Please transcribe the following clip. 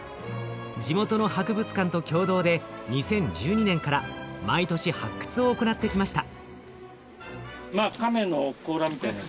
地元の博物館と共同で２０１２年から毎年発掘を行ってきました。